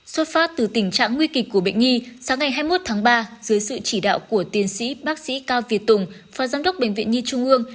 xuất phát từ tình trạng nguy kịch của bệnh nhi sáng ngày hai mươi một tháng ba dưới sự chỉ đạo của tiến sĩ bác sĩ cao việt tùng phó giám đốc bệnh viện nhi trung ương